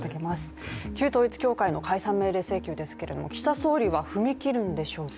旧統一教会の解散命令請求ですけれども岸田総理は踏み切るんでしょうか。